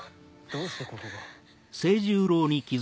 どうしてここが。